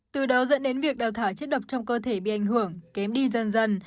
từ đó dẫn đến việc đào thải chất độc trong cơ thể bị ảnh hưởng kém đi dần dần